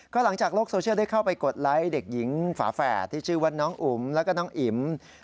ก็หลังจากโลกโซเชียลได้เข้าไปกดไลค์เด็กหญิงฝาแฝดที่ชื่อว่าน้องอุ๋มแล้วก็น้องอิ๋ม